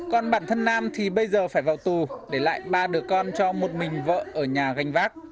còn bản thân nam thì bây giờ phải vào tù để lại ba đứa con cho một mình vợ ở nhà gành vác